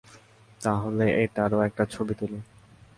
তাহলে এটারও একটা ছবি তোল।